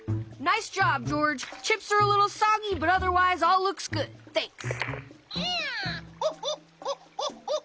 「イヤホホッホッホッホッ」。